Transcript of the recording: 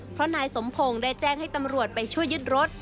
เพราะนายสมพงศ์ได้แจ้งให้ตำรวจไปช่วยยึดรถ